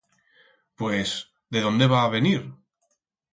Pues, de dónde va a venir?